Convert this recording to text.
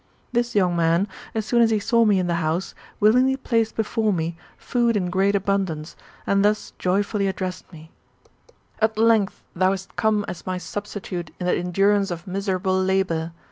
This 3fomig man, as soon as he saw me in the honse^ willingly placed before me food in great abundance, and thus joyfully addressed me: ''At length, thoa hast come as my snbstitate in the endurance of miserable labour.